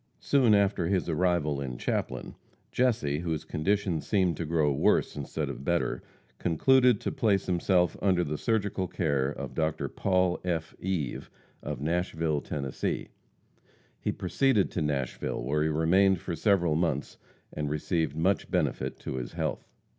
Soon after his arrival in Chaplin, Jesse, whose condition seemed to grow worse instead of better, concluded to place himself under the surgical care of Dr. Paul F. Eve, of Nashville, Tenn. He proceeded to Nashville, where he remained for several months, and received much benefit to his health.